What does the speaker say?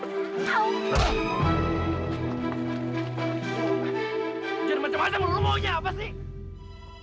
lu maunya apa sih